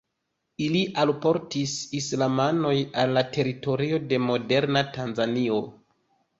Ili alportis islamon al la teritorio de moderna Tanzanio.